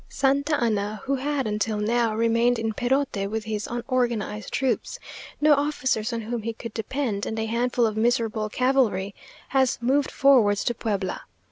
Santa Anna, who had until now remained in Perote with his unorganized troops, no officers on whom he could depend, and a handful of miserable cavalry, has moved forwards to Puebla.